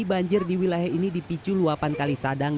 banjir di wilayah ini dipicu luapan kali sadang